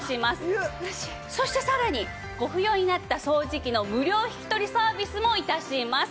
そしてさらにご不要になった掃除機の無料引き取りサービスも致します。